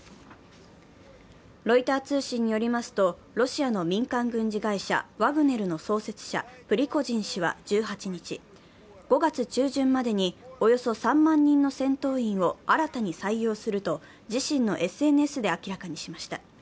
ロイター通信によりますとロシアの民間軍事会社、ワグネルの創設者、プリコジン氏は１８日５月中旬までにおよそ３万人の戦闘員を新たに採用すると自身のＳＮＳで明らかにしました。